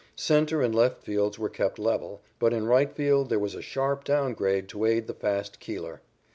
Centre and left fields were kept level, but in right field there was a sharp down grade to aid the fast Keeler.